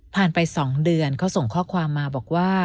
ไป๒เดือนเขาส่งข้อความมาบอกว่า